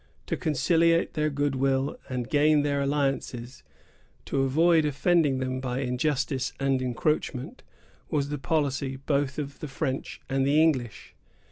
To conciliate their good will and gain their alliance, to avoid offending them by injustice and encroachment, was the policy both of the French and English.